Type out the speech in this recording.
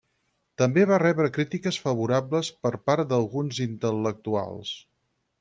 També va rebre crítiques favorables per part d'alguns intel·lectuals.